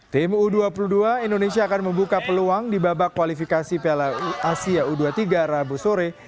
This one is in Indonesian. tim u dua puluh dua indonesia akan membuka peluang di babak kualifikasi piala asia u dua puluh tiga rabu sore